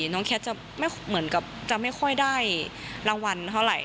น้องแคทจะไม่ค่อยได้รางวันเท่าไหร่